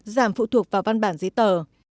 giảm phụ thuộc vào văn bản giấy tờ